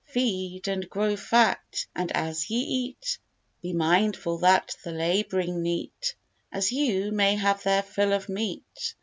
Feed, and grow fat; and as ye eat, Be mindful, that the lab'ring neat, As you, may have their fill of meat.